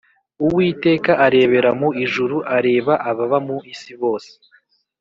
Uwiteka arebera mu ijuru, areba ababa mu isi bose